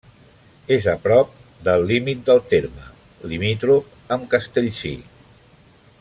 És a prop del límit del terme, limítrof amb Castellcir.